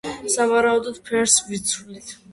სავარაუდოდ ფერს ვცვლით.